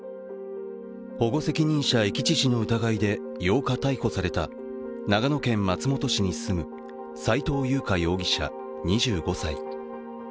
保護責任者遺棄致死の疑いで８日逮捕された長野県松本市に住む斉藤優花容疑者、２５歳。